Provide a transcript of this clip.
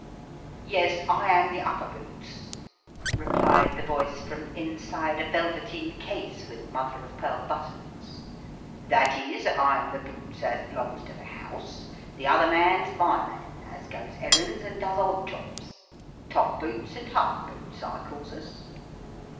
" Yes, I am the upper boots," replied a voice from inside a velveteen case, with mother of pearl buttons " that is, I'm the boots as b'longs to the house ; the other man's my man, as goes errands and does odd jobs. Top boots and half boots, I calls us."